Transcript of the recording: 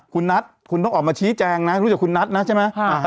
คุณนัทคุณต้องออกมาชี้แจงนะรู้จักคุณนัทนะใช่ไหม